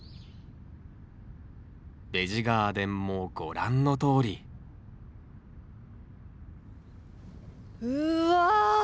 ベジ・ガーデンもご覧のとおりうわ！